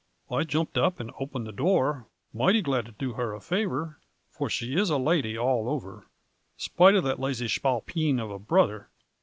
I jumped up and opened the door, moighty glad to do her a favor, for she is a lady all over, spite of that lazy shpalpeen of a brother."